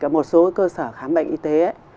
một số cơ sở khám bệnh y tế